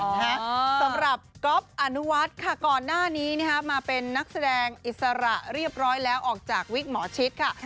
สำหรับก๊อฟอนุวัฒน์ค่ะก่อนหน้านี้มาเป็นนักแสดงอิสระเรียบร้อยแล้วออกจากวิกหมอชิดค่ะ